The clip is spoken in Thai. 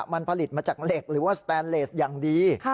มันผลิตมาจากเหล็กหรือว่าสแตนเลสอย่างดี